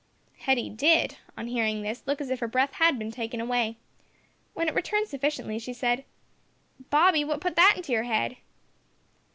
Hetty did, on hearing this, look as if her breath had been taken away. When it returned sufficiently she said: "Bobby, what put that into your head?"